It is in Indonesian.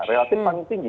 relatif paling tinggi